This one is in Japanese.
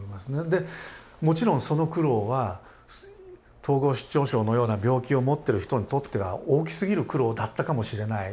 でもちろんその苦労は統合失調症のような病気を持ってる人にとっては大きすぎる苦労だったかもしれない。